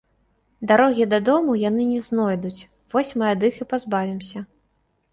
Дарогі дадому яны не знойдуць, вось мы ад іх і пазбавімся